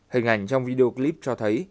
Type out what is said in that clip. hình ảnh trong video clip cho thấy